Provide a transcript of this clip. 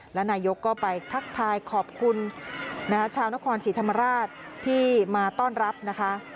และนายกก็ไปทักทายขอบคุณชาวนครศรีธรรมราชที่มาต้อนรับนะคะ